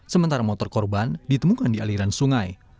sementara motor korban ditemukan di aliran sungai